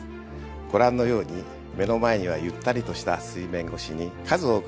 ご覧のように目の前にはゆったりとした水面越しに数多くの木々を植え